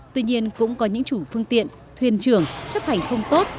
tuy nhiên cũng có những chủ phương tiện thuyền trưởng chấp hành không tốt